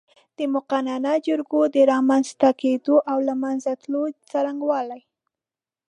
د مقننه جرګو د رامنځ ته کېدو او له منځه تللو څرنګوالی